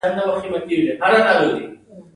د اور کشف انسان له حیوان څخه جلا کړ.